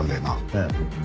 ええ。